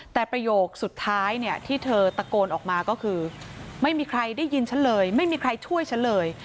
แต่ประโยคสุดท้ายเนี่ยที่เธอตะโกนออกมาก็คือไม่มีใครได้ยินฉันเลยไม่มีใครช่วยฉันเลย